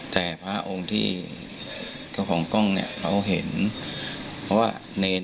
แต่พระองค์ที่ของก้องเขาเห็นเราว่าเนร